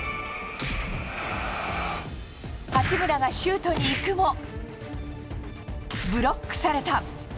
八村がシュートにいくもブロックされた。